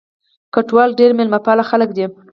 کوټوال ډېر مېلمه پال خلک دي.